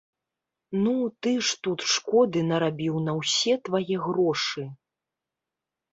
Ну, ты ж тут шкоды нарабіў на ўсе твае грошы.